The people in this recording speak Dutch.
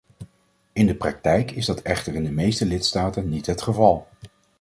In de praktijk is dat echter in de meeste lidstaten niet het geval.